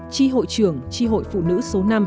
tri hội trưởng tri hội phụ nữ số năm